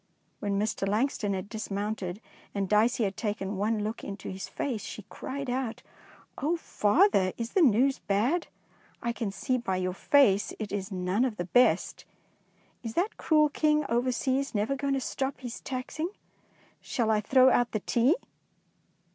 When Mr. Langston had dismounted, and Dicey had taken one look into his face, she cried out, — 15 225 DEEDS OF DAKING " Oh, father, is the news bad! I can see by your face it is none of the best. Is that cruel King over seas never going to stop his taxing? Shall I throw out the tea?